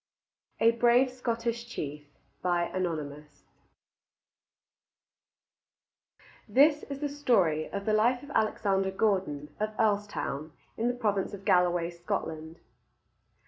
A BRAVE SCOTTISH CHIEF Anonymous This is the story of the life of Alexander Gordon of Earlstoun, in the province of Galloway, Scotland.